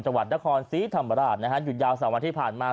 จังหวัดนครศรีธรรมราชนะฮะหยุดยาว๓วันที่ผ่านมา